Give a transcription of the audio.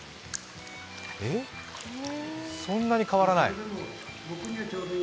そんなに変わらない？